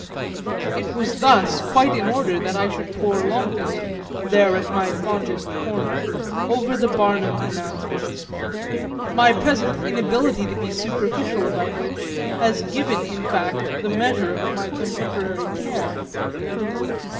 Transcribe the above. It was thus quite in order that I should pore longest, there at my fondest corner, over the Barnum announcements my present inability to be superficial about which has given in fact the measure of my contemporary care.